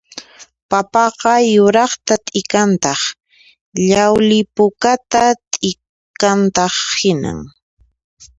Papaqa yuraqta t'ikantaq llawli pukata t'ikantaq hinan